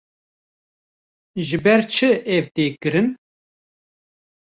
Ji ber çi ev tê kirin?